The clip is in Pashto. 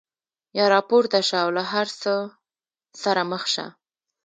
یا راپورته شه او له هر څه سره مخ شه.